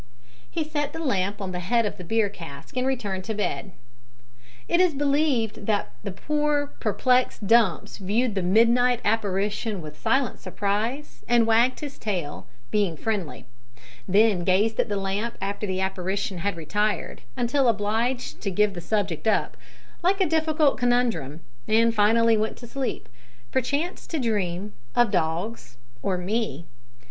He set the lamp on the head of the beer cask and returned to bed. It is believed that poor perplexed Dumps viewed the midnight apparition with silent surprise, and wagged his tail, being friendly; then gazed at the lamp after the apparition had retired, until obliged to give the subject up, like a difficult conundrum, and finally went to sleep perchance to dream of dogs, or me!